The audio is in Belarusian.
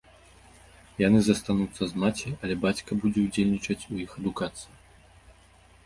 Яны застануцца з маці, але бацька будзе ўдзельнічаць у іх адукацыі.